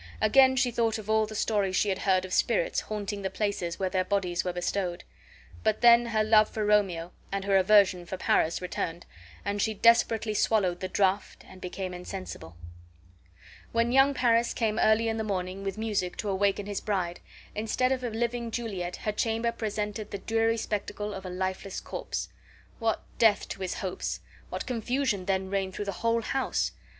Again she thought of all the stories she had heard of spirits haunting the places where their bodies were bestowed. But then her love for Romeo and her aversion for Paris returned, and she desperately swallowed the draught and became insensible. When young Paris came early in the morning with music to awaken his bride, instead of a living Juliet her chamber presented the dreary spectacle of a lifeless corse. What death to his hopes! What confusion then reigned through the whole house!